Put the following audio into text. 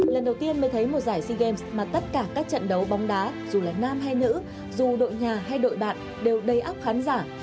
lần đầu tiên mới thấy một giải sea games mà tất cả các trận đấu bóng đá dù là nam hay nữ dù đội nhà hay đội bạn đều đầy óc khán giả